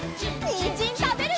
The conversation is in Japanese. にんじんたべるよ！